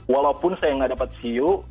walaupun saya nggak dapat view